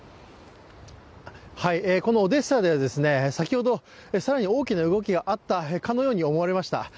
このオデッサでは、先ほど更に大きな動きがあったかのように思われました。